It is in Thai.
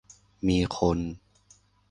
มีคน